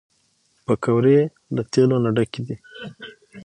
پکورې له تیلو نه ډکې دي